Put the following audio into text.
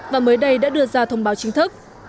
và mới đây đã đưa ra thông báo chính thức